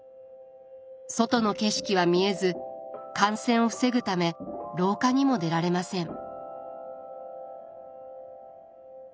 外の景色は見えず感染を防ぐため廊下にも出られません。